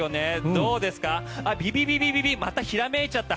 どうですか、ビビビビビビまたひらめいちゃった。